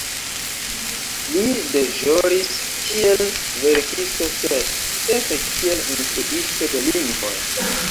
Li deĵoris kiel verkisto sed ĉefe kiel instruisto de lingvoj.